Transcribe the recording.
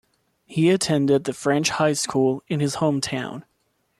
He attended the French high school in his hometown.